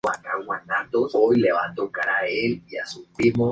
Se construyó una capilla, que pronto se quedó pequeña.